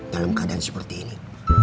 dalam keadaan seperti ini